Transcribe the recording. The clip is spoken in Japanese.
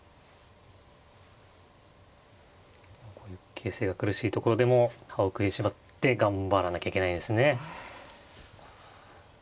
形勢が苦しいところでも歯を食いしばって頑張らなきゃいけないですね。